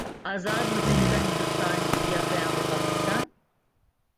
آزاد متحدہ ہندوستان یا قیام پاکستان؟